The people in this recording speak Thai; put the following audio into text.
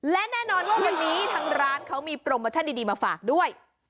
และแน่นอนว่าวันนี้ทางร้านเขามีโปรโมชั่นดีมาฝากด้วย